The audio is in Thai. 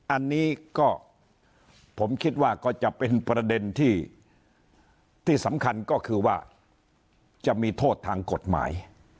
อันนี้ก็ผมคิดว่าก็จะเป็นประเด็นที่สำคัญก็คือว่าจะมีโทษทางกฎหมาย